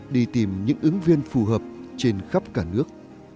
đi tìm những ứng viên phù hợp trên khắp cả nước